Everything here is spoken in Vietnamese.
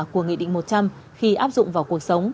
của nghị định một trăm linh khi áp dụng vào cuộc sống